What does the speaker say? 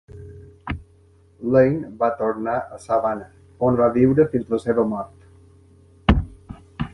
Lane va tornar a Savannah, on va viure fins la seva mort.